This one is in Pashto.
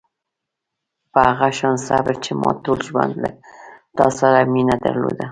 په هغه شان صبر چې ما ټول ژوند له تا سره مینه درلوده.